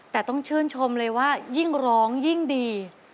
แต่ต้องชื่นชมเลยว่ายิ่งร้องยิ่งดี